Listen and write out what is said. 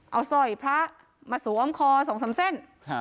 เอาสร้อยพระมาสวมคอ๒๓เส้น